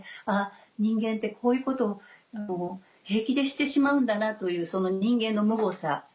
人間ってこういうことを平気でしてしまうんだなという人間のむごさ。